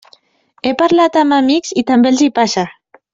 He parlat amb amics i també els hi passa.